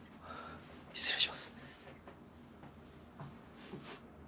失礼します。